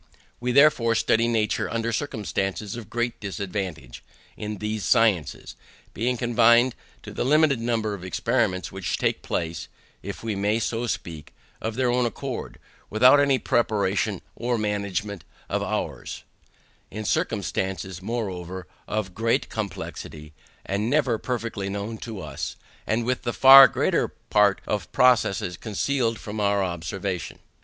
We therefore study nature under circumstances of great disadvantage in these sciences; being confined to the limited number of experiments which take place (if we may so speak) of their own accord, without any preparation or management of ours; in circumstances, moreover, of great complexity, and never perfectly known to us; and with the far greater part of the processes concealed from our observation.